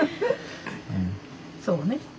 ・そうね。